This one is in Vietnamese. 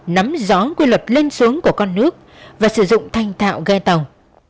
nắm gió quy luật lên xuống của con nước và sử dụng thanh thạo ghe tàu